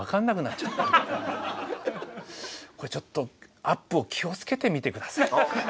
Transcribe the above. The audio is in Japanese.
これちょっとアップを気をつけて見てください。